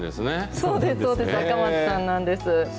そうです、そうです、赤松さんなんです。